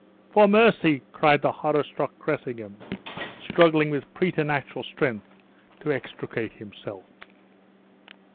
"For mercy!" cried the horror struck Cressingham, struggling with preternatural strength to extricate himself.